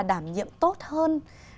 đảm nhiệm tốt hơn